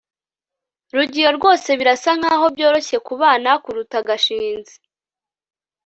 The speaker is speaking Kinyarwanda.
rugeyo rwose birasa nkaho byoroshye kubana kuruta gashinzi